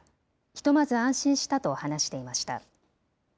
ひとまず安心したと話していました。